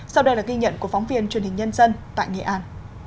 sau đây là ghi nhận của phóng viên truyền hình nhân dân tại nghệ an